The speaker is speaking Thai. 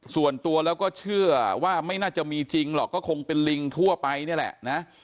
ส่วนตัวแล้วก็เชื่อว่าไม่น่าจะมีจริงหรอกก็คงเป็นลิงทั่วไปนี่แหละนะ